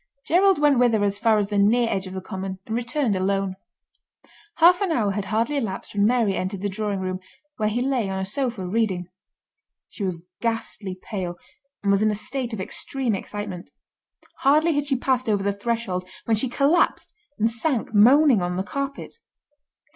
Gerald went with her as far as the near edge of the common, and returned alone. Half an hour had hardly elapsed when Mary entered the drawing room, where he lay on a sofa reading. She was ghastly pale and was in a state of extreme excitement. Hardly had she passed over the threshold when she collapsed and sank moaning on the carpet.